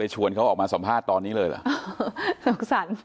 ชวนเขาออกมาสัมภาษณ์ตอนนี้เลยเหรอ